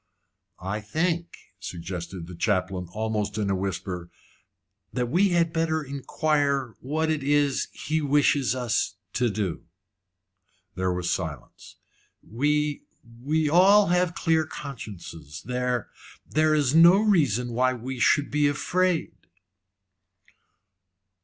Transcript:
"I think," suggested the chaplain, almost in a whisper, "that we had better inquire what it is he wishes us to do." There was silence. "We we have all clear consciences. There there is no reason why we should be afraid."